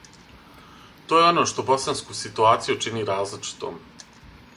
То је оно што босанску ситуацију чини различитом.